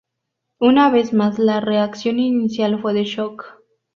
Una vez más, la reacción inicial fue de shock.